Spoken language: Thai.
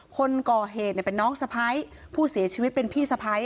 คนก่อเหตุเป็นน้องสะพ้าย